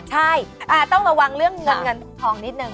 ใช่ต้องระวังเรื่องเงินเงินทองนิดนึง